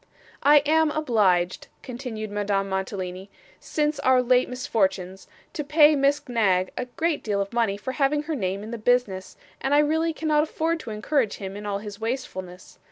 'I am obliged,' continued Madame Mantalini, 'since our late misfortunes, to pay Miss Knag a great deal of money for having her name in the business, and I really cannot afford to encourage him in all his wastefulness.